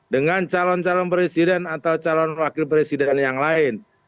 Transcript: dengan calon calon presiden atau calon wakil presiden yang lain